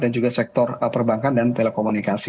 dan juga sektor perbankan dan telekomunikasi